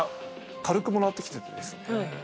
軽くもなってきててですね。